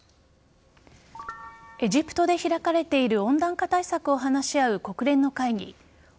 エジプトで開かれている温暖化対策を話し合う国連の会議